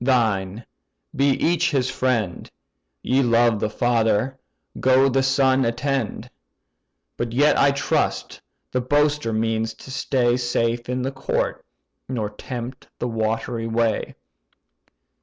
thine: be each his friend; Ye loved the father: go, the son attend. But yet, I trust, the boaster means to stay Safe in the court, nor tempt the watery way."